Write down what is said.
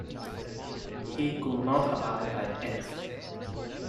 He could not abide by anything.